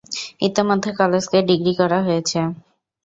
ইতিমধ্যে কলেজ কে ডিগ্রি করা হয়েছে।